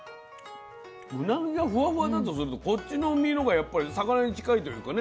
うなぎがふわふわだとするとこっちの身の方がやっぱり魚に近いというかね